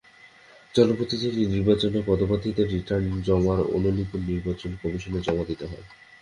জনপ্রতিনিধি নির্বাচনে পদপ্রার্থীদের রিটার্ন জমার অনুলিপি নির্বাচন কমিশনে জমা দিতে হয়।